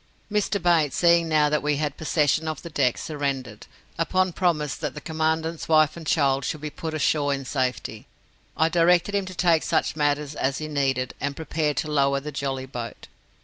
"Mr. Bates, seeing now that we had possession of the deck, surrendered, upon promise that the Commandant's wife and child should be put ashore in safety. I directed him to take such matters as he needed, and prepared to lower the jolly boat.